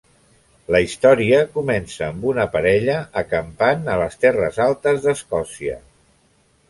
La història comença amb una parella acampant a les Terres Altes d'Escòcia.